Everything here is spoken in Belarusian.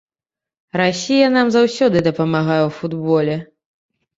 Расія нам заўсёды дапамагае ў футболе.